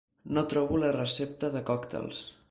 No trobo la recepta de còctels.